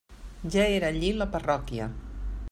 Ja era allí la parròquia.